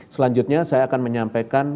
selanjutnya saya akan menyampaikan